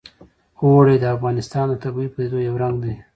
اوړي د افغانستان د طبیعي پدیدو یو رنګ دی.